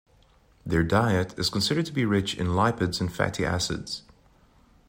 Their diet is considered to be rich in lipids and fatty acids.